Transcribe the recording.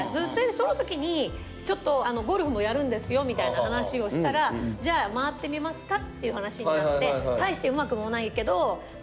その時にちょっとゴルフもやるんですよみたいな話をしたらじゃあ回ってみますかっていう話になって。